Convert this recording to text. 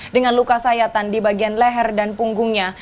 dengan luka sayatan di bagian leher dan punggungnya